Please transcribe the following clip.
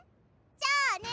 じゃあね。